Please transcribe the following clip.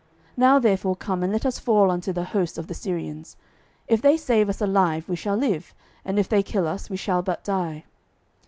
Now therefore come, and let us fall unto the host of the Syrians: if they save us alive, we shall live; and if they kill us, we shall but die.